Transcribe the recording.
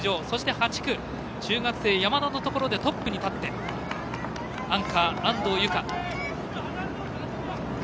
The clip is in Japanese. そして８区、中学生山田のところでトップになってアンカー、安藤友香。